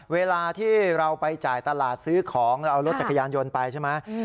เวลาที่เราไปจ่ายตลาดซื้อของเราเอารถจักรยานยนต์ไปใช่ไหม